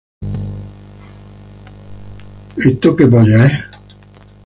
Is This Goodbye, Charlie Brown?